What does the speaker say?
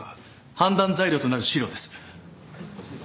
判断材料となる資料です。